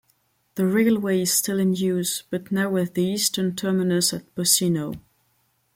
The railway is still in use, but now with the eastern terminus at Pocinho.